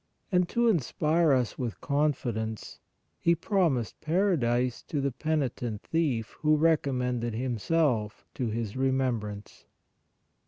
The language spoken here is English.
And to inspire us with confidence, He promised paradise to the penitent thief who recom mended himself to His remembrance.